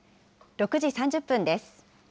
６時３０分です。